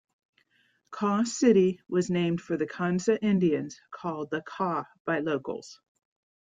Kaw City was named for the Kanza Indians, called "the Kaw" by locals.